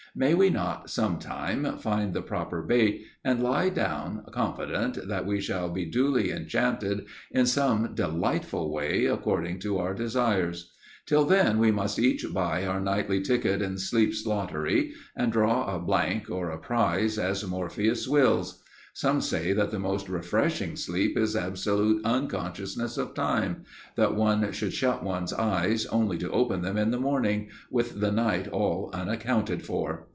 May we not, sometime, find the proper bait, and lie down confident that we shall be duly enchanted in some delightful way, according to our desires? Till then we must each buy our nightly ticket in Sleep's lottery, and draw a blank or a prize, as Morpheus wills. Some say that the most refreshing sleep is absolute unconsciousness of time that one should shut one's eyes, only to open them in the morning, with the night all unaccounted for.